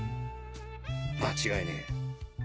間違いねえ。